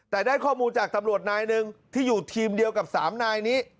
แต่ได้ข้อมูลจากตำรวจนายหนึ่งที่อยู่ทีมเดียวกับ๓นายนี้